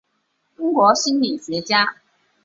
中国心理学家。